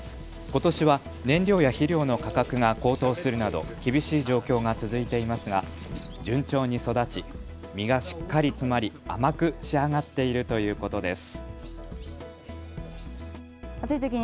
ことしは燃料や肥料の価格が高騰するなど厳しい状況が続いていますが順調に育ち実がしっかり詰まり甘く仕上がっているということです。